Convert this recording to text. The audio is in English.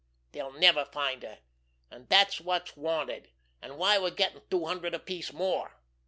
Dey'll never find her, an' dat's wot's wanted, an' why we're gettin' two hundred apiece more."